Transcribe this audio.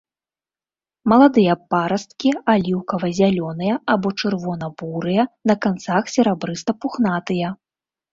Маладыя парасткі аліўкава-зялёныя або чырвона-бурыя, на канцах серабрыста-пухнатыя.